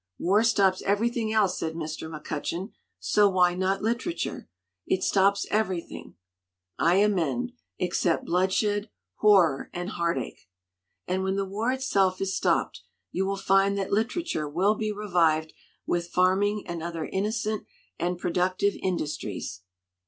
"War stops everything else," said Mr. McCutch eon, "so why not literature? It stops everything, I amend, except bloodshed, horror, and heartache. 164 MAGAZINES CHEAPEN FICTION "And when the war itself is stopped, you will find that literature will be revived with farming and other innocent and productive industries.